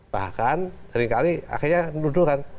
bahkan seringkali akhirnya menuduh kan